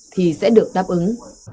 thì sẽ được đáp ứng